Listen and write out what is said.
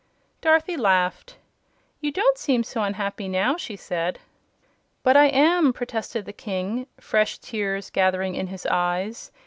Dorothy laughed. "You don't seem so very unhappy now," she said. "But I am," protested the King, fresh tears gathering in his eyes.